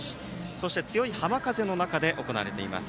そして、強い浜風の中で行われています